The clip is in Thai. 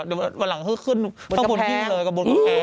เดี๋ยววันหลังเข้าขึ้นบนกระแพง